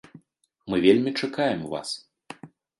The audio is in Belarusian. Мы вельмі чакаем вас!